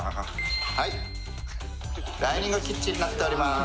はいダイニングキッチンになっております。